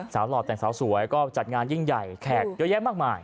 หล่อแต่งสาวสวยก็จัดงานยิ่งใหญ่แขกเยอะแยะมากมาย